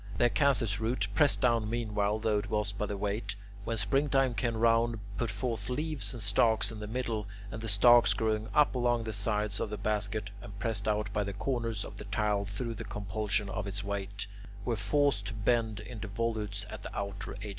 The acanthus root, pressed down meanwhile though it was by the weight, when springtime came round put forth leaves and stalks in the middle, and the stalks, growing up along the sides of the basket, and pressed out by the corners of the tile through the compulsion of its weight, were forced to bend into volutes at the outer edges.